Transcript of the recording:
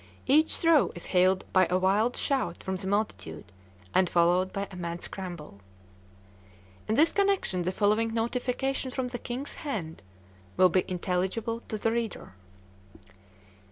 Each throw is hailed by a wild shout from the multitude, and followed by a mad scramble. In this connection the following "notification" from the king's hand will be intelligible to the reader.